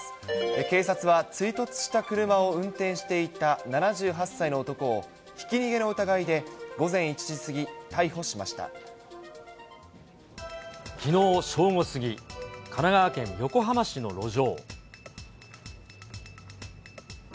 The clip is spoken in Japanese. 警察は追突した車を運転していた７８歳の男をひき逃げの疑いで午きのう正午過ぎ、神奈川県横浜市の路上。